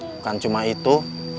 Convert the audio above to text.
bukan cuma itu